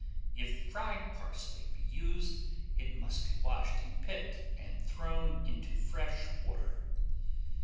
If fried parsley be used, it must be washed and picked, and thrown into fresh water.